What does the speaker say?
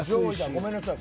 ごめんなさい